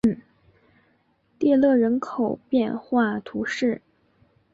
蒂勒人口变化图示